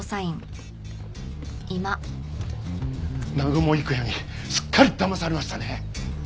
南雲郁也にすっかりだまされましたね。